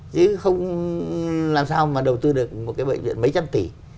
chứ không làm sao mà đầu tư được một cái bệnh viện mấy trăm tỷ